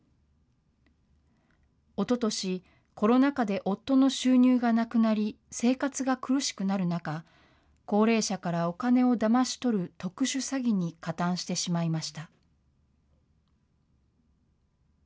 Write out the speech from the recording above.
おととし、コロナ禍で夫の収入がなくなり、生活が苦しくなる中、高齢者からお金をだまし取る特殊詐欺に加担してしまいました。